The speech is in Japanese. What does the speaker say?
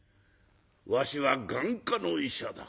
わしは眼科の医者だ。